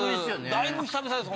だいぶ久々です